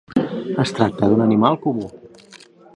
Es tracta d'un animal comú.